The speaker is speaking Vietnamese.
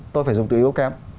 tôi phải dùng từ yếu kém